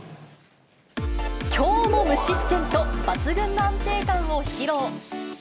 きょうも無失点と、抜群の安定感を披露。